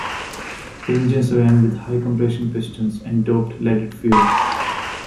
The engines ran with high-compression pistons and "doped" leaded fuel.